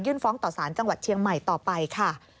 ฟ้องต่อสารจังหวัดเชียงใหม่ต่อไปค่ะ